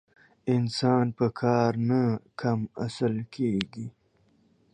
انسان په کار نه کم اصل کېږي.